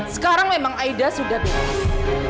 sekarang memang aida sudah bebas